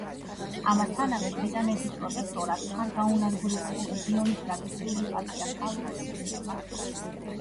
ამასთანავე, ბრიტანეთის პროტექტორატს არ გაუნადგურებია რეგიონის ტრადიციული პატრიარქალური სისტემა.